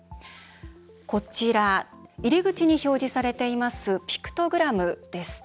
こちら、入り口に表示されているピクトグラムです。